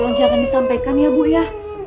tolong jangan disampaikan ya bu ya